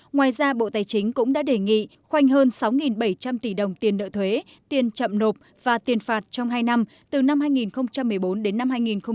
ngoài ra bộ tài chính cũng đã đề nghị khoanh hơn sáu bảy trăm linh tỷ đồng tiền nợ thuế tiền chậm nộp và tiền phạt trong hai năm từ năm hai nghìn một mươi bốn đến năm hai nghìn một mươi chín